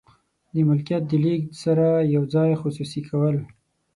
د ملکیت د لیږد سره یو ځای خصوصي کول.